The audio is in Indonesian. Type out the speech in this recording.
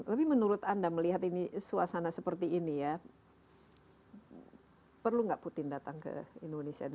tapi menurut anda melihat ini suasana seperti ini ya perlu nggak putin datang ke indonesia